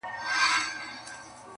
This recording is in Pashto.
زموږ غاښو ته تيږي نه سي ټينگېدلاى؛